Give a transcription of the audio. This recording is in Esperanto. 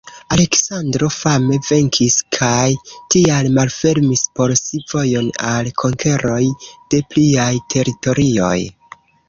Aleksandro fame venkis kaj tial malfermis por si vojon al konkeroj de pliaj teritorioj.